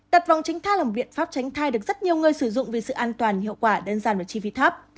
đặt vòng tránh thai là một biện pháp tránh thai được rất nhiều người sử dụng vì sự an toàn hiệu quả đơn giản và chi phí thấp